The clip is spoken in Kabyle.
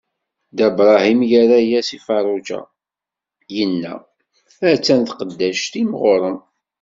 Dda Bṛahim irra-as i Feṛṛuǧa, inna: a-tt-an tqeddact-im ɣur-m.